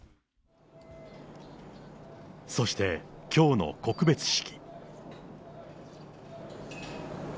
そして、きょうの告別式。